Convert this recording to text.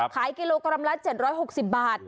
ขายกิโลกรัมละ๗๖๐บาท